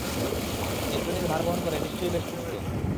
অ্যান্টোনির ভার বহন করে নিশ্চয়ই বেশ তৃপ্ত!